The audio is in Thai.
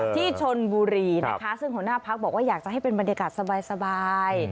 ที่ชนบุรีนะคะซึ่งหัวหน้าพักบอกว่าอยากจะให้เป็นบรรยากาศสบาย